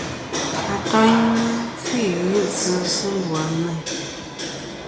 Atoynɨ fhɨ djɨ sɨ ndu a Meyn.